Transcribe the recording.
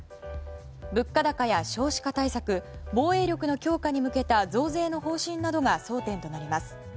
物価高や少子化対策防衛力の強化に向けた増税の方針などが争点となります。